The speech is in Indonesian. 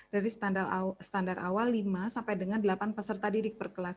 dari standar awal lima sampai dengan delapan peserta didik per kelas